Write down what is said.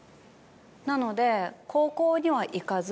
なので高校には行かず。